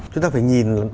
chúng ta phải nhìn